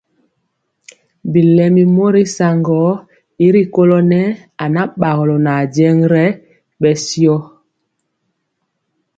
Bilɛmi mori saŋgɔɔ gɔ y rikolɔ nɛɛ anabagɔlɔ nʼajeŋg rɛ bɛ shio tya.